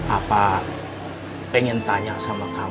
apa pengen tanya sama kamu